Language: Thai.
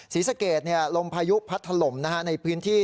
ศรีสะเกดลมพายุพัดถล่มในพื้นที่